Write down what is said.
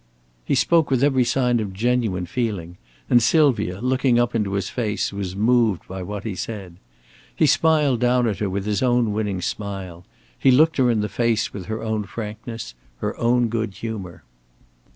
He spoke with every sign of genuine feeling; and Sylvia, looking up into his face, was moved by what he said. He smiled down at her, with her own winning smile; he looked her in the face with her own frankness, her own good humor.